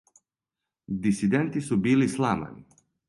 Дисиденти су били сламани...